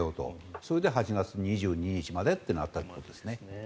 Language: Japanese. それで８月２２日までとなったということですね。